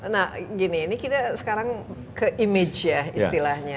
nah gini ini kita sekarang ke image ya istilahnya